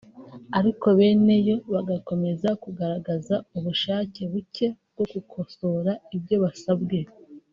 ariko beneyo bagakomeza kugaragaza ubushake buke bwo gukosora ibyo basabwe